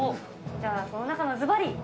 じゃあ、その中のずばり。